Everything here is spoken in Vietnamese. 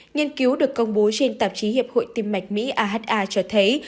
nghiên cứu được công bố trên tạp chí hiệp hội tim mạch mỹ aha cho thấy